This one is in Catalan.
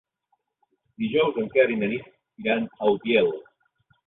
Dijous en Quer i na Nit iran a Utiel.